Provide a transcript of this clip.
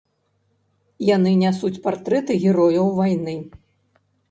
Яны нясуць партрэты герояў вайны.